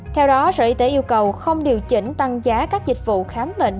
theo đó sở y tế yêu cầu không điều chỉnh tăng giá các dịch vụ khám bệnh